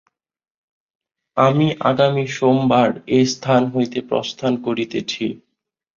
আমি আগামী সোমবার এস্থান হইতে প্রস্থান করিতেছি।